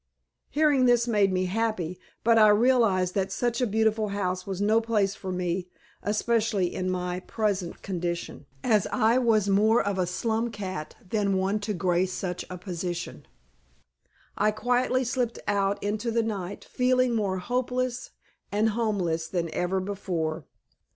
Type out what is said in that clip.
Hearing this made me happy, but I realized that such a beautiful house was no place for me, especially in my present condition, as I was more of a slum cat than one to grace such a position. I quietly slipped out into the night, feeling more hopeless and homeless than ever before.